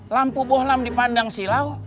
lampu bohlam di pandang silau